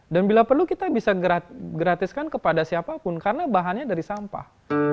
dan bila perlu kita bisa gratiskan kepada siapapun karena bahannya dari sampah